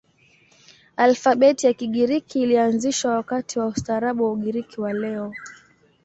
Alfabeti ya Kigiriki ilianzishwa wakati wa ustaarabu wa Ugiriki wa leo.